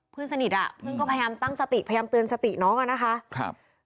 เพื่อนสนิทอ่ะเพื่อนก็พยายามตั้งสติพยายามเตือนสติน้องอ่ะนะคะครับ